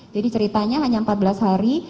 jadi ceritanya hanya empat belas hari